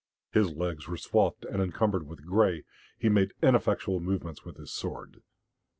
His legs were swathed and encumbered with grey; he made ineffectual movements with his sword.